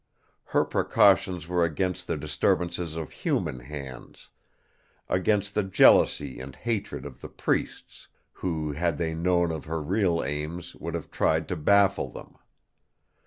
Her precautions were against the disturbances of human hands; against the jealousy and hatred of the priests, who, had they known of her real aims, would have tried to baffle them.